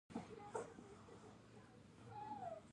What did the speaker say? د فرد د ټولنیز مسوولیت بنسټ ټاکنه ده.